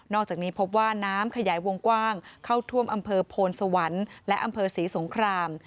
อกจากนี้พบว่าน้ำขยายวงกว้างเข้าท่วมอำเภอโพนสวรรค์และอำเภอศรีสงคราม